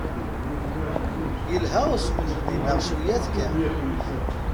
Yelha usmel-nni neɣ cwiya-t kan?